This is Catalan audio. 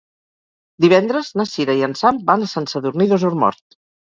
Divendres na Sira i en Sam van a Sant Sadurní d'Osormort.